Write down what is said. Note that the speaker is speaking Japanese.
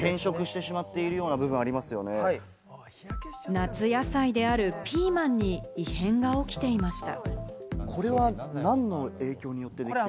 夏野菜であるピーマンに異変が起きていました。